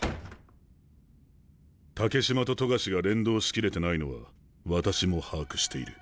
竹島と冨樫が連動し切れてないのは私も把握している。